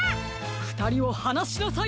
ふたりをはなしなさい！